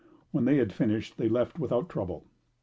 When they had finished, they left without trouble.